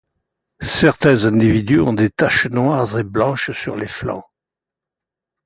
Certains individus ont des taches noires et blanches sur les flancs.